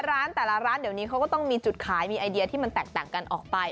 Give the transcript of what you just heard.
ร้านแต่ละร้านเดี๋ยวนี้เขาก็ต้องมีจุดขายมีไอเดียที่มันแตกต่างกันออกไป